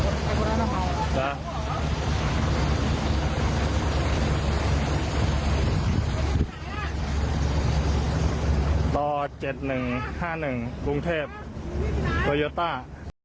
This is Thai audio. ต่อ๗๑๕๑กรุงเทพโตโยต้า